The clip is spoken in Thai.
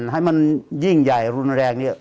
ให้มันยิ่งใหญ่รุนแรงเนี่ย